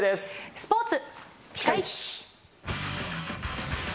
スポーツ。